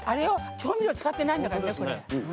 調味料使ってないんだからね。